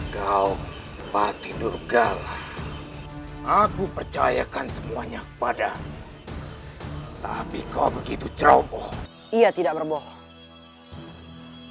kau batinur galah aku percayakan semuanya padamu tapi kau begitu ceroboh ia tidak berbohong